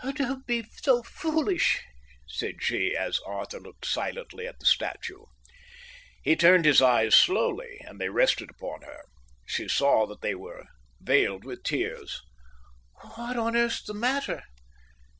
"Don't be so foolish," said she, as Arthur looked silently at the statue. He turned his eyes slowly, and they rested upon her. She saw that they were veiled with tears. "What on earth's the matter?"